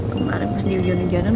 kemarin pas di hujan hujanan